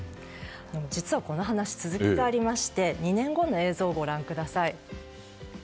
実はこの話、続きがありまして２年後の映像をご覧ください。